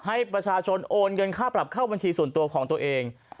ให้ประชาชนโอนเงินค่าปรับเข้าบัญชีส่วนตัวของตัวเอง